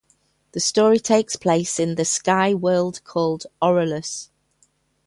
The story takes place in the sky world called Orelus.